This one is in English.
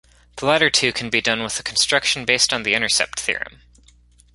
The latter two can be done with a construction based on the intercept theorem.